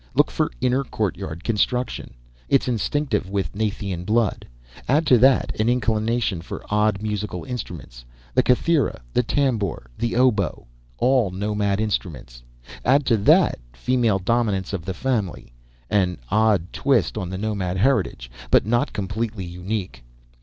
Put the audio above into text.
Look for inner courtyard construction. It's instinctive with Nathian blood. Add to that, an inclination for odd musical instruments the kaithra, the tambour, the oboe all nomad instruments. Add to that, female dominance of the family an odd twist on the nomad heritage, but not completely unique.